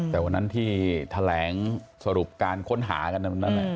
แต่วันนั้นที่แถลงสรุปการค้นหากัน